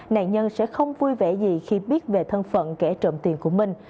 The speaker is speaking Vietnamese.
nạn nhân sẽ không vui vẻ gì khi biết về thân phận kẻ trộm tiền của minh